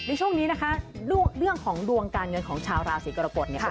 ในช่วงนี้นะคะเรื่องของดวงการเงินของชาวราศีกรกฎเนี่ย